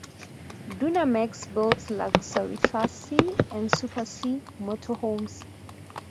Dynamax builds luxury Class C and Super C Motorhomes.